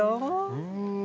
うん。